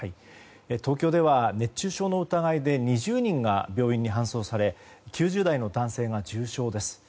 東京では熱中症の疑いで２０人が病院に搬送され９０代の男性が重症です。